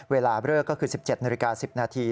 เวลาเลิกก็คือ๑๗นาฬิกา๑๐นาที